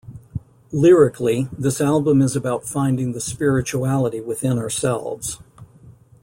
Lyrically, this album is about finding the spirituality within ourselves.